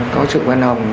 có sự quan hồng